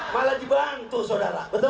malah dibantu sodara betul